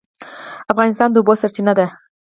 افغانستان د اوبو سرچینه ده